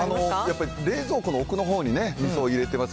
やっぱり冷蔵庫の奥のほうにみそを入れてます。